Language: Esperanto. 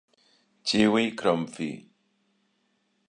Ĉiuj krom Vi.